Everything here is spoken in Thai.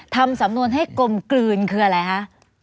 ทำสำนวนให้กลมกลืนคืออะไรคะ